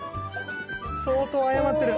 相当謝ってる。